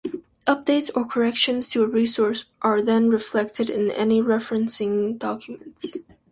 Updates or corrections to a resource are then reflected in any referencing documents.